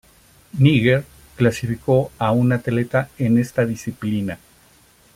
Níger clasificó a un atleta en esta disciplina.